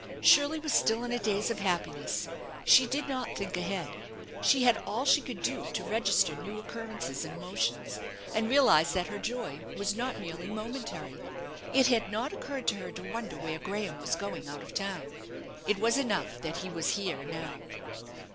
Shirley was still in a daze of happiness. She did not think ahead. She had all sha could do to register new occurrences and emotions, and realize that her joy was not merely momentary. It had not occurred to her to wonder where Graham was going out of town. It was enough that he was here now.